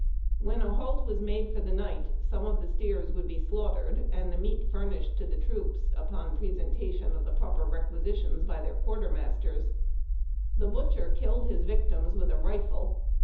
When a halt was made for the night, some of the steers would be slaughtered, and the meat furnished to the troops upon presentation of the proper requisitions by quartermasters. The butcher killed his victims with a rifle.